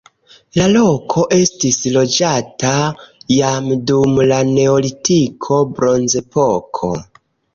La loko estis loĝata jam dum la neolitiko, bronzepoko.